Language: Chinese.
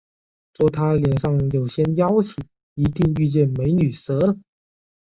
说他脸上有些妖气，一定遇见“美女蛇”了